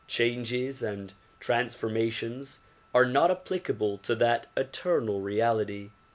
Changes and transformations are not applicable to that eternal reality.